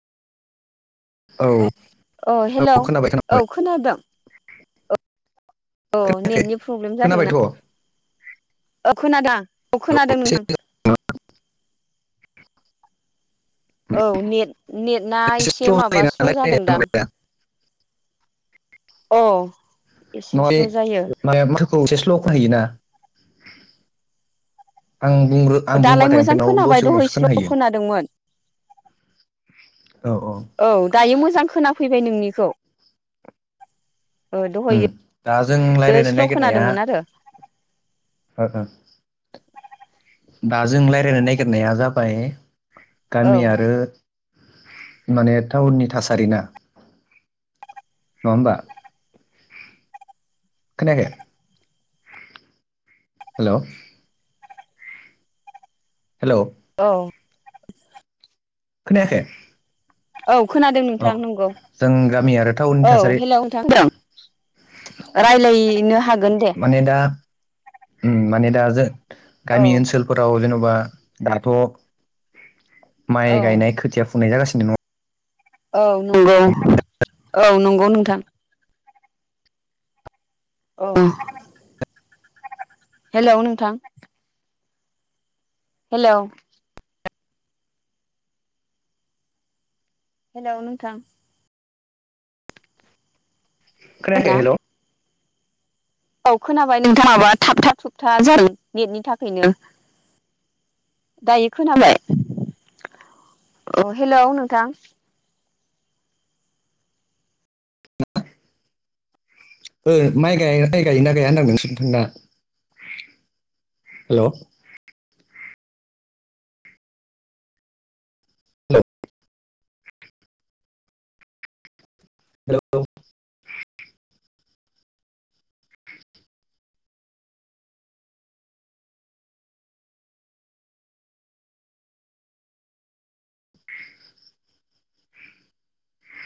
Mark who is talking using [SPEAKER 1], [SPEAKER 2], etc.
[SPEAKER 1] औ
[SPEAKER 2] औ हेलौ
[SPEAKER 1] खोनाबाय
[SPEAKER 2] औ
[SPEAKER 1] खोनाबाय
[SPEAKER 2] खोनादों औ
[SPEAKER 1] खोनायाखै
[SPEAKER 2] नेटनि प्रब्लेम जादोंना
[SPEAKER 1] खोनाबायथ' औ
[SPEAKER 2] औ खोनादों अ खोनादों
[SPEAKER 1] एसे
[SPEAKER 2] नोंथां
[SPEAKER 1] एसे
[SPEAKER 2] औ नेट नेटआ एसे
[SPEAKER 1] स्ल'
[SPEAKER 2] माब
[SPEAKER 1] जायो
[SPEAKER 2] स्ल'
[SPEAKER 1] नालाय
[SPEAKER 2] जादोंदां अ एसे स्ल' जायो
[SPEAKER 1] नेमनि थाखै एसे स्ल' खोनायोना आं बुंग्र आं
[SPEAKER 2] दालाय
[SPEAKER 1] बुंबाथाय
[SPEAKER 2] मोजां
[SPEAKER 1] ओमफ्राय
[SPEAKER 2] खोनाबाय
[SPEAKER 1] दसे
[SPEAKER 2] दहाय
[SPEAKER 1] उनावसो खोना
[SPEAKER 2] स्ल'
[SPEAKER 1] हैयो
[SPEAKER 2] खोनादोंमोन औ दायो मोजां खोनाफैबाय नोंनिखौ ओ
[SPEAKER 1] उम
[SPEAKER 2] दहायो
[SPEAKER 1] दा जों रायज्लायनो
[SPEAKER 2] स्ल'
[SPEAKER 1] नागिरनाया
[SPEAKER 2] खोनादोंमोन आरो
[SPEAKER 1] ओ ओ दा जों रायज्लायनो नागिरनाया जाबाय
[SPEAKER 2] औ
[SPEAKER 1] गामि आरो। माने टाउननि थासारि ना नङा होनबा खोनायाखै? हेलौ हेलौ
[SPEAKER 2] औ
[SPEAKER 1] खोनायाखै?
[SPEAKER 2] औ खोनादों
[SPEAKER 1] औ
[SPEAKER 2] नोंथां नंगौ
[SPEAKER 1] जों गामि आरो टाउननि
[SPEAKER 2] औ
[SPEAKER 1] थासारि
[SPEAKER 2] हेलौ नोंथां राय्लायनो हागोन दे
[SPEAKER 1] माने दा उम माने दा जों
[SPEAKER 2] औ
[SPEAKER 1] गामि ओनसोलफोराव जेन' बा दाथ'
[SPEAKER 2] औ
[SPEAKER 1] माइ गायनाय खोथिया फुननाय जागासिनो न
[SPEAKER 2] औ नंगौ औ नंगौ नोंथां। ओ हेलौ नोंथां हेलौ हेलौ नोंथां
[SPEAKER 1] खोनायाखै हेलौ
[SPEAKER 2] औ खोनाबाय नोंथाङाबा थाब थाब थुबथा जायो नेटनि थाखायनो। दायो खोनाबाय अ हेलौ नोंथां
[SPEAKER 1] [unintelligible] ओ माइ गा माइ गायो ना गाया नोंसोनथिं दा हेलौ हेलौ